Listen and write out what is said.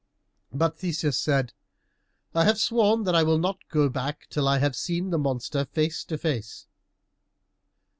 But Theseus said, "I have sworn that I will not go back till I have seen the monster face to face."